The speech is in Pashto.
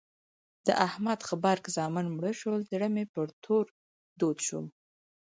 د احمد غبرګ زامن مړه شول؛ زړه مې پر تور دود شو.